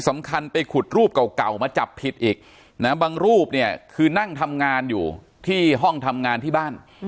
มาจับผิดอีกบางรูปคือนั่งทำงานอยู่ที่ห้องทำงานที่บ้าน